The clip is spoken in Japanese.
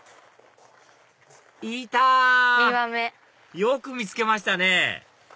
よく見つけましたね！